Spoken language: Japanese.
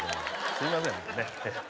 すみません。